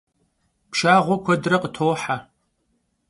Pşşağue kuedre khıtohe.